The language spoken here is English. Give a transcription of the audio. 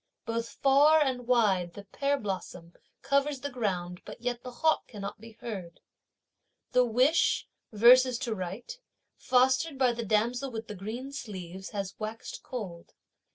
Both far and wide the pear blossom covers the ground, but yet the hawk cannot be heard. The wish, verses to write, fostered by the damsel with the green sleeves, has waxéd cold.